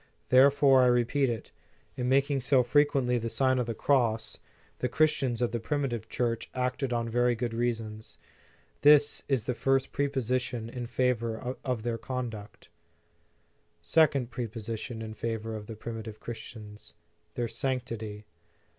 Therefore, I repeat it, in making so frequently the Sign of the Cross, the Chris tians of the primitive Church acted on very good reasons. This is the first prepossession in favor of their conduct. Second prepossession in favor of the primi tive Christians : Their sanctity.